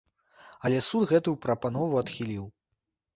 Але суд гэтую прапанову адхіліў.